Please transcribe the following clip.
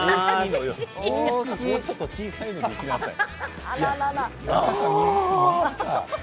もうちょっと小さいのにしなさいよ。